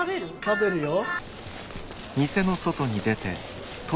食べるよ。